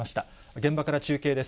現場から中継です。